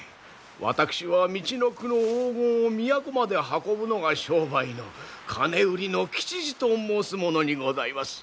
私はみちのくの黄金を都まで運ぶのが商売の金売りの吉次と申す者にございます。